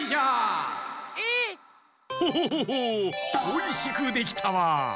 おいしくできたわ。